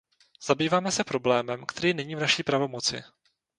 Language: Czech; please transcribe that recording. Zabýváme se problémem, který není v naší pravomoci.